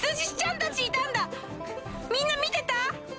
みんな見てた？